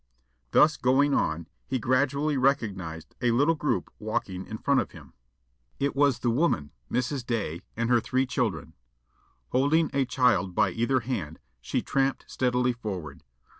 Thus going on, he gradually recognised a little group walking in front of him. It was the woman, Mrs. Day, and her three children. Holding a child by either hand, she tramped steadily forward.